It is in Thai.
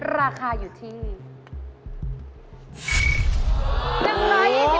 ราคาอยู่ที่